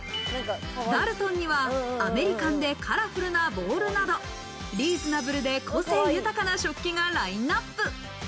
ダルトンにはアメリカンでカラフルなボウルなど、リーズナブルで個性豊かな食器がラインナップ。